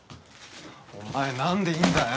お前何でいんだよ！